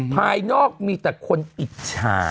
ภายนอกมีแต่คนอิจฉา